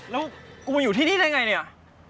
แล้วกูมาอยู่ที่นี่ได้ไงเนี่ย